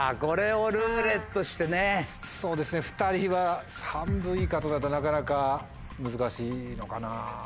そうですね２人は半分以下となるとなかなか難しいのかな。